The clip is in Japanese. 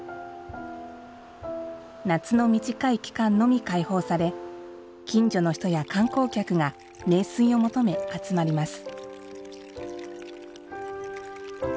夏の短い期間のみ開放され近所の人や観光客が名水を求め集まります。